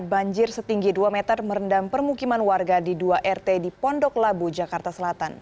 banjir setinggi dua meter merendam permukiman warga di dua rt di pondok labu jakarta selatan